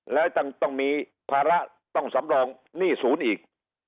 แล้วต้องมีภาระต้องสำรองหนี้ศูนย์อีก